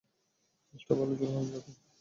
চেষ্টা ভালো ছিল, হারামজাদা।